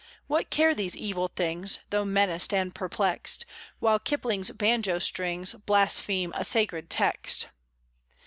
What care these evil things, Though menaced and perplexed, While Kipling's banjo strings Blaspheme a sacred text?